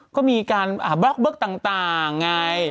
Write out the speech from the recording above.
ก็มีการเบล็กต่างไง